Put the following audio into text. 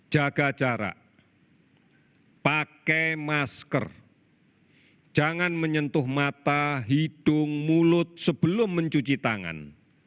jaga jarak pakai masker jangan menyentuh mata hidung mulut sebelum mencuci tangan